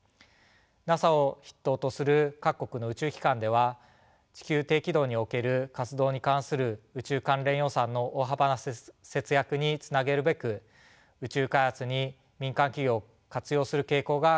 ＮＡＳＡを筆頭とする各国の宇宙機関では地球低軌道における活動に関する宇宙関連予算の大幅な節約につなげるべく宇宙開発に民間企業を活用する傾向が拡大しています。